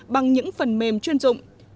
bằng những phần mềm chuyên dụng